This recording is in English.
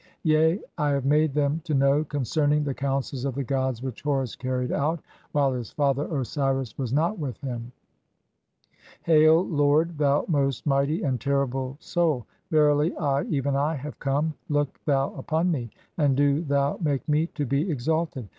Yea, I have made them to know concerning the "counsels of the gods which Horus carried out (48) while his "father Osiris was not [with him]. Hail, Lord, thou most mighty "and terrible Soul ! Verily, I, even I, have come, look thou upon "me, (49) and do thou make me to be exalted.